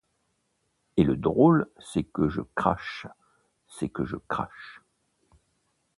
Et le drôle, c’est que je crache, c’est que je crache...